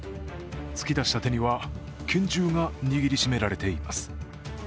突き出した手には拳銃が握りしめられています。